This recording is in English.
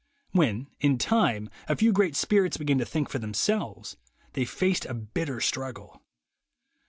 When, in time, a few great spirits began to think for them selves, they faced a bitter struggle.